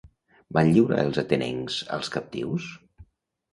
Van lliurar els atenencs als captius?